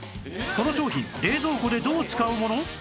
この商品冷蔵庫でどう使うもの？